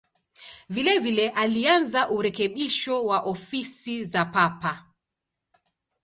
Vilevile alianza urekebisho wa ofisi za Papa.